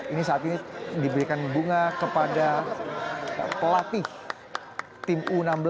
ini saat ini diberikan bunga kepada pelatih tim u enam belas